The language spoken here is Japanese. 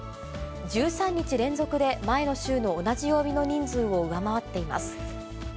１３日連続で前の週の同じ曜日の人数を上回っています。